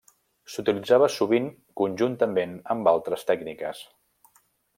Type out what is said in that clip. S'utilitzava sovint conjuntament amb altres tècniques.